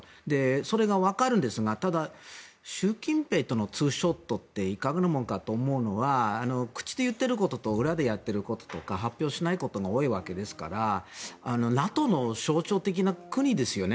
それはわかるんですがただ習近平とのツーショットっていかがなものかと思うのは口で言っていることと裏でやっていることとか発表しないことが多いわけですからＮＡＴＯの象徴的な国ですよね。